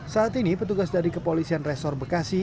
saat ini petugas dari kepolisian resor bekasi